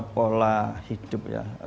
pola hidup ya